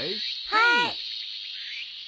はい。